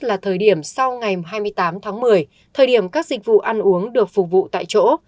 số ca dương tính tăng nhất là thời điểm sau ngày hai mươi tám tháng một mươi thời điểm các dịch vụ ăn uống được phục vụ tại chỗ